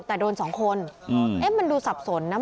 แต่โดนสองคนเอ๊ะมันดูสับสนนะ